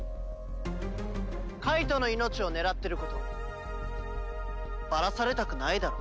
介人の命を狙ってることバラされたくないだろ？